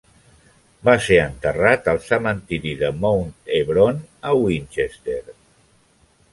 Va ser enterrat al cementiri de Mount Hebron, a Winchester.